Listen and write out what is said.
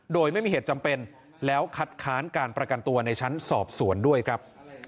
โดยไม่มีเหตุจำเป็นแล้วคัดค้านการประกันตัวในชั้นสอบสวนด้วยครับ